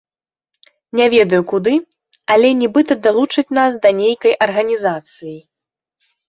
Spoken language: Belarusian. Не ведаю куды, але нібыта далучаць нас да нейкай арганізацыі.